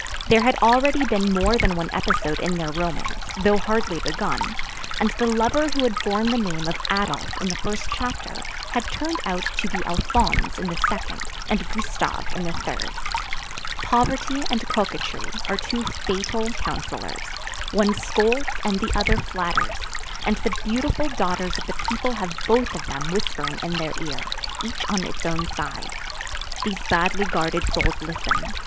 There had already been more than one episode in their romance, though hardly begun; and the lover who had borne the name of Adolph in the first chapter had turned out to be Alphonse in the second, and Gustave in the third. Poverty and coquetry are two fatal counsellors; one scolds and the other flatters, and the beautiful daughters of the people have both of them whispering in their ear, each on its own side. These badly guarded souls listen.